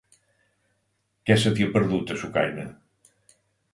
Què se t'hi ha perdut, a Sucaina?